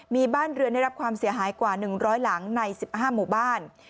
มีบ้านเรือนได้รับความเสียหายกว่า๑๐๐หลังใน๑๕หมู่บ้าน